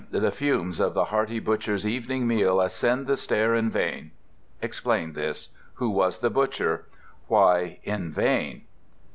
"The fumes of the hearty butcher's evening meal ascend the stair in vain." Explain this. Who was the butcher? Why "in vain"?